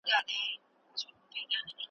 وژني د زمان بادونه ژر شمعي ,